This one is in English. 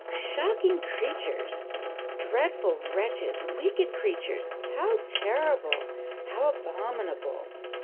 "Shocking creatures!" "Dreadful wretches!" "Wicked creatures!" "How terrible!" "How abominable!"